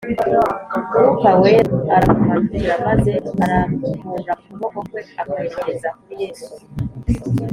. Mwuka Wera aramumanukira, maze arambura ukuboko kwe akwerekeza kuri Yesu